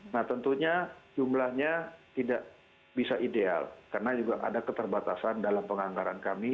nah tentunya jumlahnya tidak bisa ideal karena juga ada keterbatasan dalam penganggaran kami